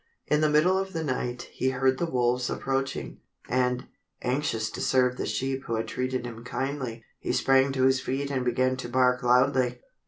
In the middle of the night he heard the wolves approaching, and, anxious to serve the sheep who had treated him kindly, he sprang to his feet and began to bark loudly.